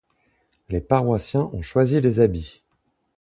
Les paroissiens ont choisi les habits.